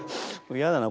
嫌だな